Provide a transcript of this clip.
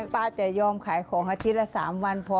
ป้าจะยอมขายของอาทิตย์ละ๓วันพอ